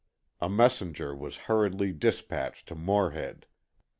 A messenger was hurriedly dispatched to Morehead.